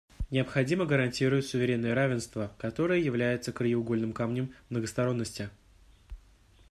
Необходимо гарантировать суверенное равенство, которое является краеугольным камнем многосторонности.